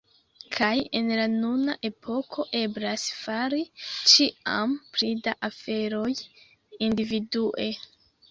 Kaj en la nuna epoko eblas fari ĉiam pli da aferoj individue.